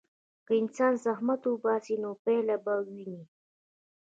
که انسان زحمت وباسي، نو پایله به وویني.